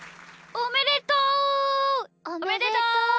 おめでとう！